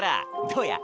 どうや？